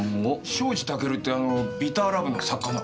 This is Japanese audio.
庄司タケルってあの『ＢｉｔｔｅｒＬｏｖｅ』の作家の？